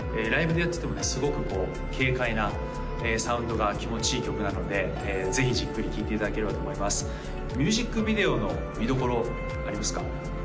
ライブでやっててもねすごくこう軽快なサウンドが気持ちいい曲なのでぜひじっくり聴いていただければと思いますミュージックビデオの見どころありますか？